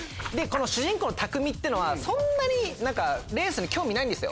主人公の拓海はそんなにレースに興味ないんですよ。